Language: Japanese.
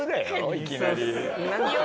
いきなり。